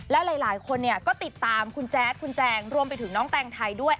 และหลายคนก็ติดตามคุณแจ๊ดคุณแจงรวมไปถึงน้องแตงไทยด้วย